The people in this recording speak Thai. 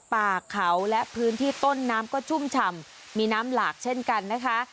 ป่าเขาและพื้นที่ต้นน้ำก็ชุ่มฉ่ำมีน้ำหลากเช่นกันนะคะ